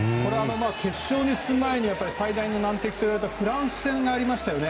決勝に進む前に最大の難敵と言われたフランス戦がありましたよね。